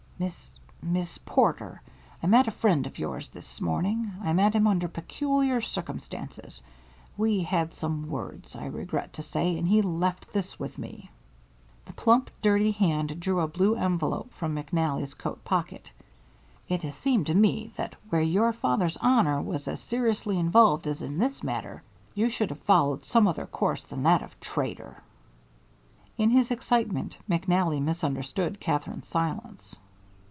"Miss Miss Porter, I met a friend of yours this morning. I met him under peculiar circumstances. We had some words, I regret to say, and he left this with me." The plump, dirty hand drew a blue envelope from McNally's coat pocket. "It has seemed to me that where your father's honor was as seriously involved as in this matter, you should have followed some other course than that of traitor." In his excitement, McNally misunderstood Katherine's silence.